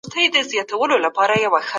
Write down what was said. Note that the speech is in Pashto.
آيا پخوانيو تنظيمونو د فکري تنوع ملاتړ کاوه؟